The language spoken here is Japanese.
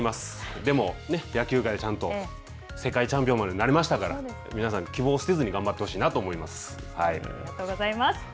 でも、野球界でちゃんと世界チャンピオンまでなれましたから、皆さん、希望を捨てずにありがとうございます。